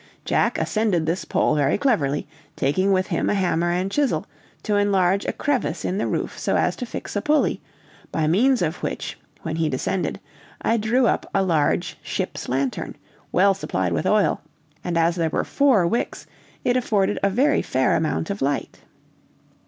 Jack ascended this pole very cleverly, taking with him a hammer and chisel to enlarge a crevice in the roof so as to fix a pulley, by means of which, when he descended, I drew up a large ship's lantern, well supplied with oil, and as there were four wicks, it afforded a very fair amount of light.